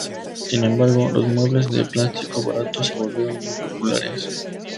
Sin embargo, los muebles de plástico barato se volvieron muy populares.